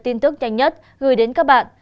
tin tức nhanh nhất gửi đến các bạn